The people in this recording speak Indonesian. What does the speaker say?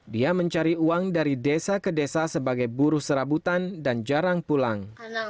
dia mencari uang dari desa ke desa sebagai buruh serabutan dan jarang pulang